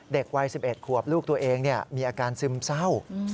เด็กวัย๑๑ขวบลูกตัวเองมีอาการซึมเศร้า